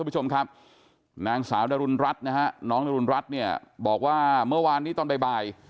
น้องน้องสาวนการรุณรัฐบ้างบอกว่าเมื่อวานนี้ตอนใบบ่าย